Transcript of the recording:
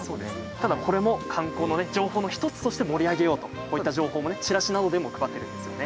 ただ、これも観光の情報の１つとして盛り上げようとこういった情報もちらしなどでも配っているんですよね。